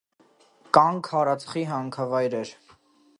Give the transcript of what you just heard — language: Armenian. Կան քարածխի հանքավայրեր։